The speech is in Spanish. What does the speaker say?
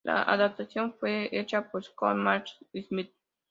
La adaptación fue hecha por Scott Marshall Smith.